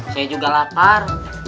saya juga lapar